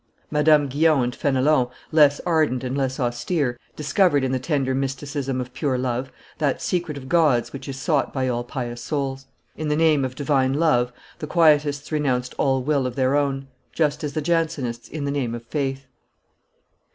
Madame Guyon and Fenelon, less ardent and less austere, discovered in the tender mysticism of pure love that secret of God's which is sought by all pious souls; in the name of divine love, the Quietists renounced all will of their own, just as the Jansenists in the name of faith.